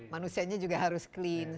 manusianya juga harus clean